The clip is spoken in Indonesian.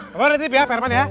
kamu nitip ya pak herman ya